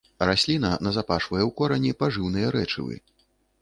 Расліна назапашвае ў корані пажыўныя рэчывы.